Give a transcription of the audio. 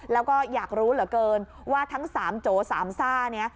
แล้วก็อยากรู้เหลือเกินว่าทั้ง๓โจสามซ่านี้